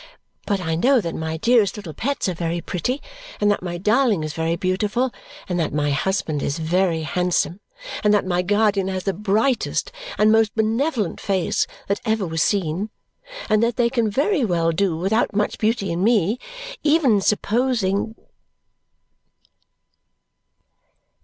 But I know that my dearest little pets are very pretty, and that my darling is very beautiful, and that my husband is very handsome, and that my guardian has the brightest and most benevolent face that ever was seen, and that they can very well do without much beauty in me even supposing